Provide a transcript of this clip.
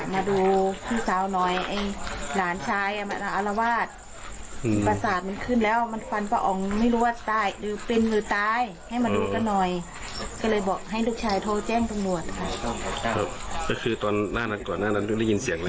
ก็คือตอนหน้านักก่อนหน้านักก่อนได้ยินเสียงอะไรไหมครับ